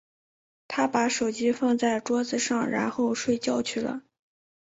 她把手机放在桌子上，然后睡觉去了。